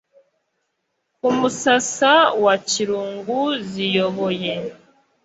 ku musasa wa kirungu ziyoboye